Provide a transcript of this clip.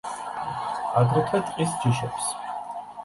აგრეთვე ტყის ჯიშებს.